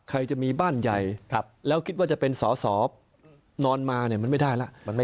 ใครจะมีบ้านใหญ่แล้วคิดว่าจะเป็นสอสอนอนมาเนี่ยมันไม่ได้แล้ว